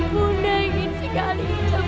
bunda ingin sekali ketemu sama kamu red